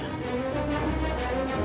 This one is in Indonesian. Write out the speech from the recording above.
aku ikut bersamanya